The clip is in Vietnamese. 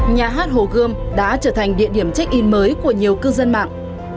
nhà hát hồ gươm đã trở thành địa điểm check in mới của nhiều cư dân mạng